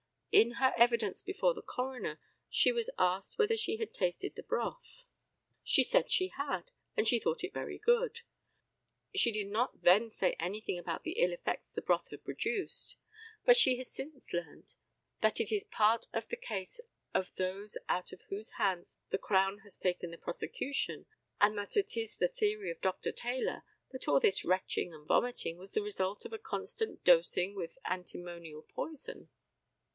In her evidence before the coroner she was asked whether she had tasted the broth? She said she had, and she thought it very good. She did not then say anything about the ill effects the broth had produced; but she has since learnt that it is part of the case of those out of whose hands the Crown has taken the prosecution, and that it is the theory of Dr. Taylor that all this retching and vomiting was the result of a constant dosing with antimonial poison.